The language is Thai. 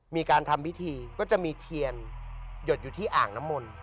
มีการทำพิธีก็จะมีเทียนหยดอยู่ที่อ่างน้ำมนต์